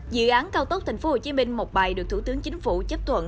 dự án cao tốc tp hcm một bài được thủ tướng chính phủ chấp thuận